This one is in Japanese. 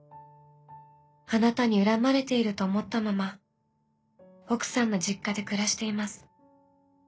あなたに恨まれていると思ったまま奥さんの実家で暮らしています。